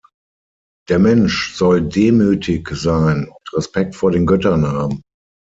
Der Mensch soll demütig sein und Respekt vor den Göttern haben.